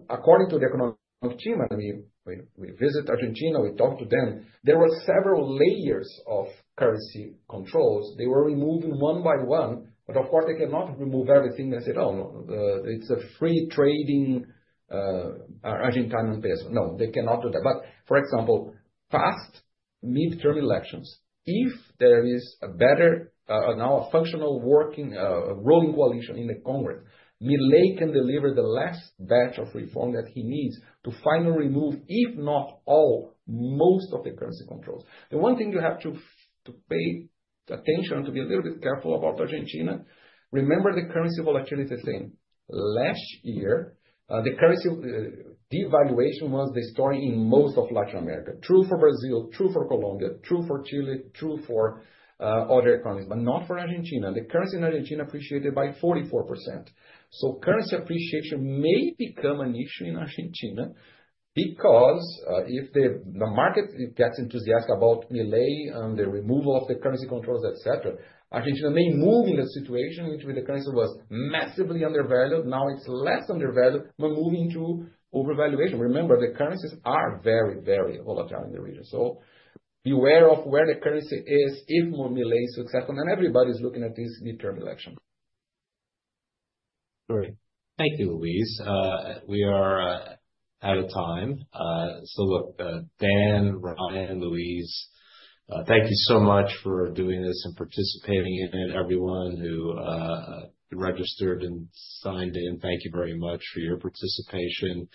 D: According to the economic team, when we visit Argentina, we talk to them, there were several layers of currency controls. They were removing one by one. But of course, they cannot remove everything. They said, oh, no, it's a free trading Argentine peso. No, they cannot do that. But for example, past midterm elections, if there is a better now a functional working ruling coalition in the Congress, Milei can deliver the last batch of reform that he needs to finally remove, if not all, most of the currency controls. The one thing you have to pay attention to be a little bit careful about Argentina, remember the currency volatility thing. Last year, the currency devaluation was the story in most of Latin America. True for Brazil, true for Colombia, true for Chile, true for other economies, but not for Argentina. The currency in Argentina appreciated by 44%. Currency appreciation may become an issue in Argentina because if the market gets enthusiastic about Milei and the removal of the currency controls, et cetera, Argentina may move in the situation in which the currency was massively undervalued. Now it's less undervalued, but moving into overvaluation. Remember, the currencies are very, very volatile in the region. Beware of where the currency is, if Milei succeeds. Everybody's looking at this midterm election.
A: Great. Thank you, Luiz. We are out of time. So look, Dan, Ryan, Luiz, thank you so much for doing this and participating in it. Everyone who registered and signed in, thank you very much for your participation.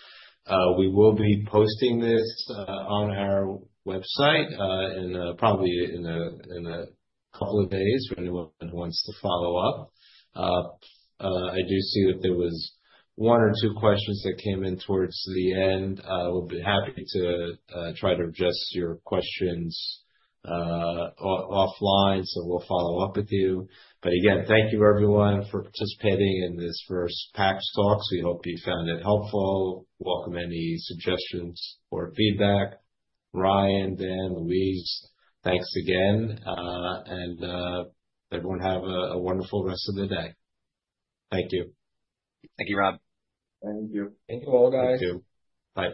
A: We will be posting this on our website probably in a couple of days for anyone who wants to follow up. I do see that there was one or two questions that came in towards the end. We'll be happy to try to address your questions offline. So we'll follow up with you. But again, thank you, everyone, for participating in this first PAX Talks. We hope you found it helpful. Welcome any suggestions or feedback. Ryan, Dan, Luiz, thanks again. And everyone have a wonderful rest of the day. Thank you.
B: Thank you, Rob.
C: Thank you.
D: Thank you, all guys.
A: Thank you. Bye.